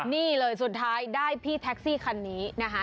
นี่เลยสุดท้ายได้พี่แท็กซี่คันนี้นะคะ